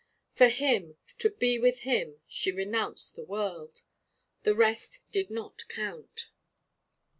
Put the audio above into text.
For him, to be with him, she renounced the world. The rest did not count.